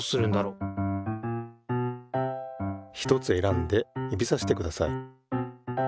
ひとつ選んで指さしてください。